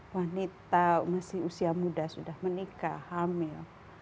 wanita masih usia muda sudah menikah hamil